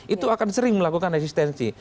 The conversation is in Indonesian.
itu akan sering melakukan resistensi